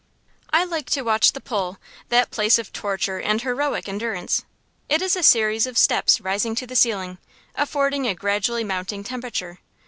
I like to watch the poll, that place of torture and heroic endurance. It is a series of steps rising to the ceiling, affording a gradually mounting temperature.